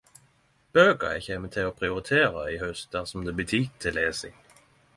Bøker eg kjem til å prioritere i haust dersom det blir tid til lesing.